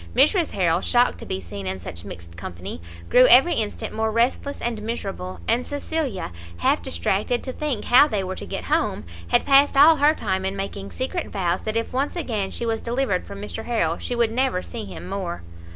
Mrs Harrel, shocked to be seen in such mixed company, grew every instant more restless and miserable; and Cecilia, half distracted to think how they were to get home, had passed all her time in making secret vows that if once again she was delivered from Mr Harrel she would never see him more.